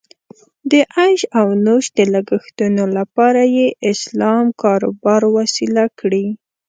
د عیش او نوش د لګښتونو لپاره یې اسلام کاروبار وسیله کړې.